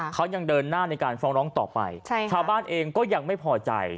เขายังเดินหน้าในการฟ้องร้องต่อไปใช่ค่ะชาวบ้านเองก็ยังไม่พอใจ